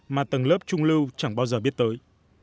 mà tầng lớp trung lưu chẳng bao giờ biết tới